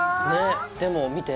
でも見て！